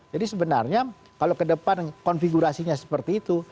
jadi sebenarnya kalau kedepan konfigurasinya seperti itu